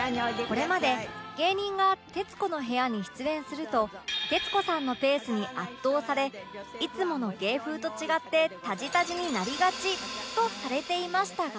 これまで芸人が『徹子の部屋』に出演すると徹子さんのペースに圧倒されいつもの芸風と違ってタジタジになりがちとされていましたが